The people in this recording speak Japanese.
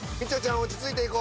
落ち着いていこう。